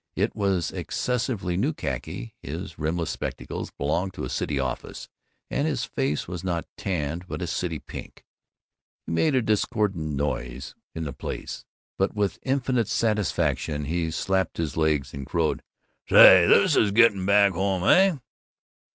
It was excessively new khaki; his rimless spectacles belonged to a city office; and his face was not tanned but a city pink. He made a discordant noise in the place. But with infinite satisfaction he slapped his legs and crowed, "Say, this is getting back home, eh?"